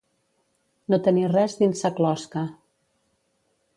No tenir res dins sa closca.